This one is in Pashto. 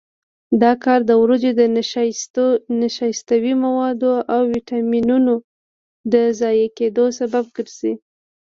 دا کار د وریجو د نشایستوي موادو او ویټامینونو د ضایع کېدو سبب ګرځي.